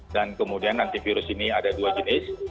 dan kemudian antivirus ini ada dua jenis